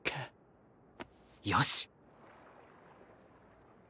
よし！